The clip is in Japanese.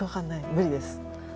無理です。